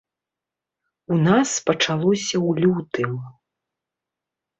У нас пачалося ў лютым.